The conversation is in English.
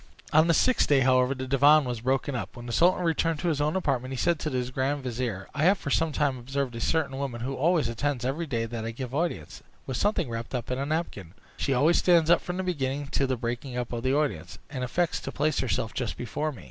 On the sixth day, however, after the divan was broken up, when the sultan returned to his own apartment, he said to his grand vizier, "I have for some time observed a certain woman, who attends constantly every day that I give audience, with something wrapped up in a napkin; she always stands up from the beginning to the breaking up of the audience, and affects to place herself just before me.